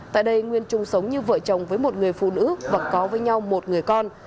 tại đây nguyên chung sống như vợ chồng với một người phụ nữ và có với nhau một người con